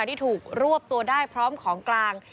ที่ถูกรวบตัวได้พร้อมของกลาง